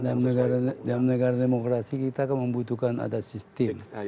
dalam negara demokrasi kita membutuhkan ada sistem